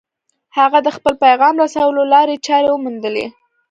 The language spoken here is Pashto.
هغه د خپل پيغام رسولو لارې چارې وموندلې.